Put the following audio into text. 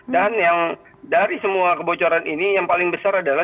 dan yang dari semua kebocoran ini yang paling besar adalah